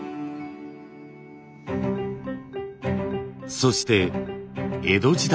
そして江戸時代。